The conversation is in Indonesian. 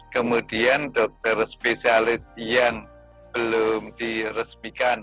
kemudian dokter spesialis yang belum diresmikan